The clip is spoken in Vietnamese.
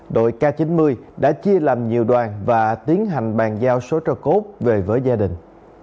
đội k chín mươi đã chia làm nhiều đoàn và tiến hành bàn giao số cho cốt về với gia đình